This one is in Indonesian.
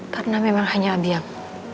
karena memang hanya abi yang